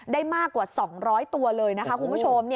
ได้มากกว่า๒๐๐ตัวเลยนะคะคุณผู้ชม